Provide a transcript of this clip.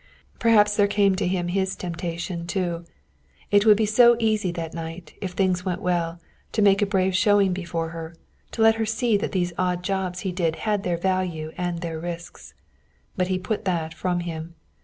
Perhaps there came to him his temptation too. It would be so easy that night, if things went well, to make a brave showing before her, to let her see that these odd jobs he did had their value and their risks. But he put that from him.